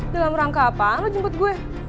dalam rangka apa lo jemput gue